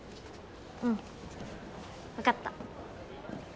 うん分かった。